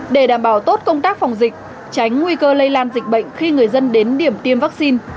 để đảm bảo tốt công tác phòng dịch tránh nguy cơ lây lan dịch bệnh khi người dân đến điểm tiêm vaccine